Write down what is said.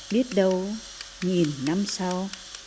biết đâu nhìn năm sau